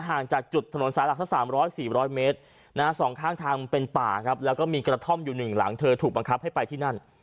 ห่างจากจุดถนนสายหลักสัก๓๐๐๔๐๐เมตรสองข้างทางเป็นป่าครับแล้วก็มีกระท่อมอยู่หนึ่งหลังเธอถูกบังคับให้ไปที่นั่น